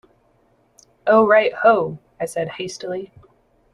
"Oh, right ho," I said hastily.